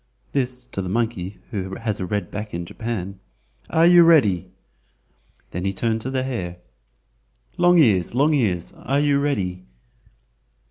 (this to the monkey, who has a red back in Japan). "Are you ready?" Then he turned to the hare: "Long ears! Long ears! are you ready?"